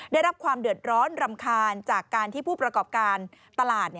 ได้รับความเดือดร้อนรำคาญจากการที่ผู้ประกอบการตลาด